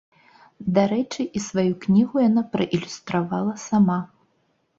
Дарэчы, і сваю кнігу яна праілюстравала сама.